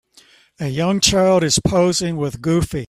A young child is posing with Goofy